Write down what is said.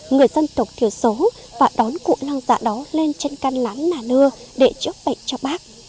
người dân tộc thiểu số và đón cụ lang giả đó lên trên căn lán nà nưa để trước bệnh cho bác